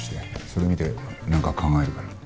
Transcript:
それ見てなんか考えるから。